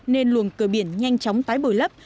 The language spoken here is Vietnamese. nên luồng cửa biển nhanh chóng tái bồi lấp